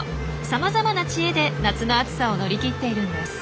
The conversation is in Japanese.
さまざまな知恵で夏の暑さを乗り切っているんです。